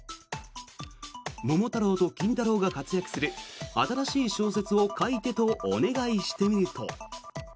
桃太郎と金太郎が活躍する新しい小説を書いてとお願いしてみると。